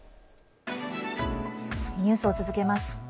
ニュースを続けます。